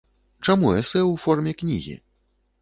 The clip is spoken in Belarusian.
Чаму эсэ ў форме кнігі?